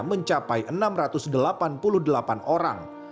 mencapai enam ratus delapan puluh delapan orang